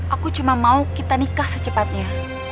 aku cuma mau kita nikah secepatnya